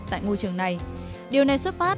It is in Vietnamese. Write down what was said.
tại môi trường này điều này xuất phát